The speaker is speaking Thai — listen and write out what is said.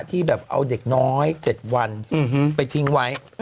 ที่แบบเอาเด็กน้อย๗วันไปทิ้งไว้